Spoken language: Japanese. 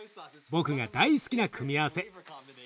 僕が大好きな組み合わせ。